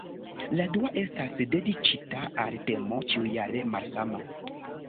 La dua estas dediĉita al temo ĉiujare malsama.